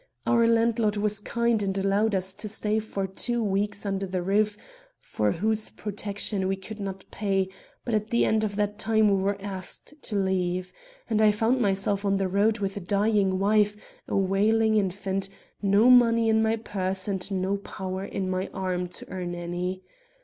Our landlord was kind and allowed us to stay for two weeks under the roof for whose protection we could not pay; but at the end of that time we were asked to leave; and I found myself on the road with a dying wife, a wailing infant, no money in my purse and no power in my arm to earn any.